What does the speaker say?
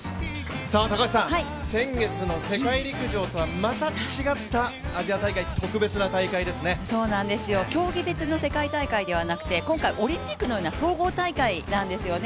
先月の世界陸上とはまた違ったアジア大会、競技別の世界大会ではなく今回、オリンピックのような総合大会なんですよね。